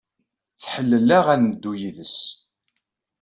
Tḥellel-aɣ ad neddu yid-s.